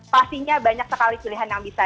pastinya banyak sekali pilihan yang bisa